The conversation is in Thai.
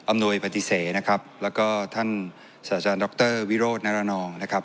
หน่วยปฏิเสธนะครับแล้วก็ท่านศาสตราจารย์ดรวิโรธนรนองนะครับ